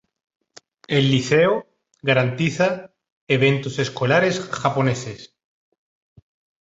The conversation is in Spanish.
El liceo organiza eventos escolares japoneses.